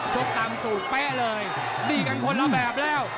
ตามสูตรเป๊ะเลยดี้กันคนละแบบแล้ว